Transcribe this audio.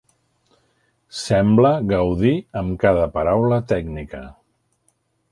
Sembla gaudir amb cada paraula tècnica.